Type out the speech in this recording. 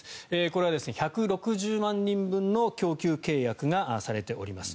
これは１６０万人分の供給契約がされております。